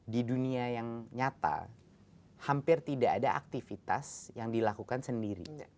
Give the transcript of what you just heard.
di dunia yang nyata hampir tidak ada aktivitas yang dilakukan sendiri